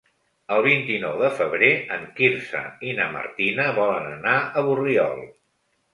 El vint-i-nou de febrer en Quirze i na Martina volen anar a Borriol.